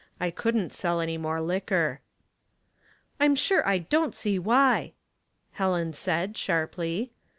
I couldn't sell any more liquor." *' I'm sure I don't see why," Helen said, sharply.